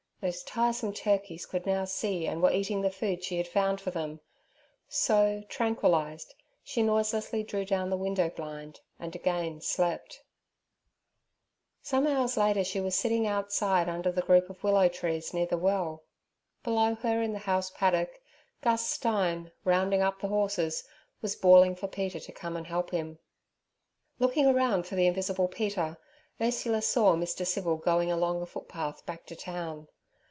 Those tiresome turkeys could now see and were eating the food she had found for them; so, tranquillized, she noiselessly drew down the window blind and again slept. Some hours later she was sitting outside under the group of willow trees near the well. Below her in the house paddock, Gus Stein, rounding up the horses, was bawling for Peter to come and help him. Looking about for the invisible Peter, Ursula saw Mr. Civil going along a footpath back to town.